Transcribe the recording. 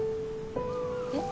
えっ？